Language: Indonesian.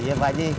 iya pak ji